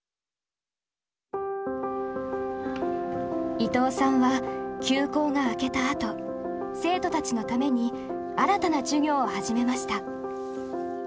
伊藤さんは休校が明けたあと生徒たちのために新たな授業を始めました。